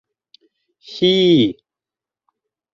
Һи...